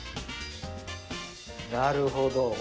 なるほど。